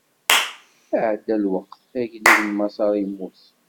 Iɛedda lweqt, agellid n Maṣer immut.